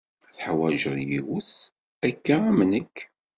Tuḥwaǧeḍ yiwet akka am nekk.